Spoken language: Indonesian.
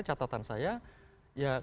catatan saya ya